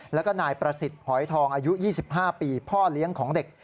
แล้วก็นายประสิทธิ์หอยทองอายุ๒๕ปีพ่อเลี้ยงของเด็ก